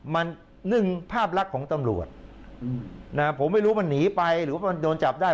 มันนึ่งภาพลักษณ์ของตำรวจผมไม่รู้มันหนีไปหรือว่ามันโดนจับได้